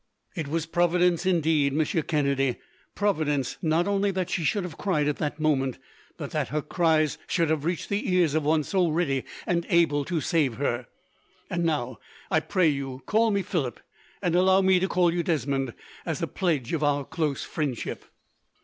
"It was Providence, indeed, Monsieur Kennedy. Providence, not only that she should have cried at that moment, but that her cries should have reached the ears of one so ready and able to save her. And now, I pray you, call me Philip, and allow me to call you Desmond, as a pledge of our close friendship."